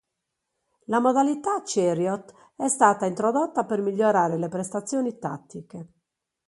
La modalità Chariot è stata introdotta per migliorare le prestazioni tattiche.